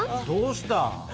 どうした？